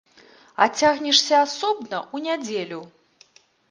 А цягнешся асобна, у нядзелю?